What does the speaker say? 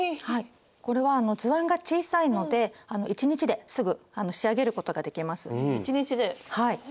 これは図案が小さいので１日ですぐ仕上げることができます。